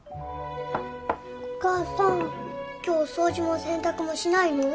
お母さん今日お掃除も洗濯もしないの？